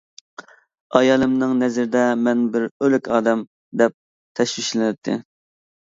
«ئايالىمنىڭ نەزىرىدە مەن بىر ئۆلۈك ئادەم» دەپ، تەشۋىشلىنەتتى.